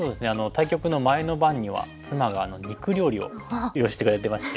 対局の前の晩には妻が肉料理を用意してくれてまして。